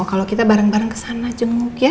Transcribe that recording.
kalau kita bareng bareng ke sana jenguk ya